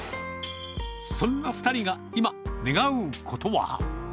そんな２人が今、願うことは。